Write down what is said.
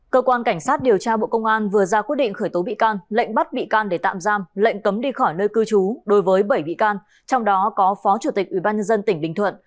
cơ quan cảnh sát điều tra bộ công an vừa ra quyết định khởi tố bị can lệnh bắt bị can để tạm giam lệnh cấm đi khỏi nơi cư trú đối với bảy bị can trong đó có phó chủ tịch ubnd tỉnh bình thuận